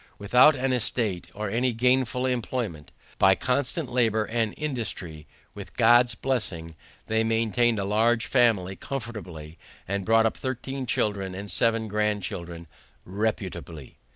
Without an estate, or any gainful employment, By constant labor and industry, with God's blessing, They maintained a large family comfortably, and brought up thirteen children and seven grandchildren reputably.